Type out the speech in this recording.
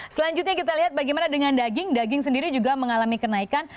selanjutnya kita lihat bagaimana dengan daging daging sendiri juga mengalami kenaikan